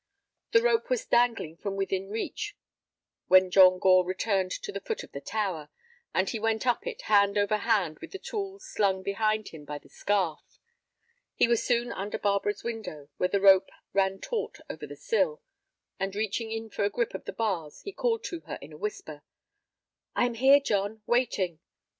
The rope was dangling from within reach when John Gore returned to the foot of the tower, and he went up it hand over hand with the tools slung behind him by the scarf. He was soon under Barbara's window, where the rope ran taut over the sill, and, reaching in for a grip of the bars, he called to her in a whisper. "I am here, John, waiting."